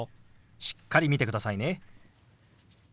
しっかり見てくださいね。